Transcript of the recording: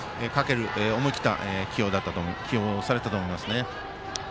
思い切った起用をされたと思います。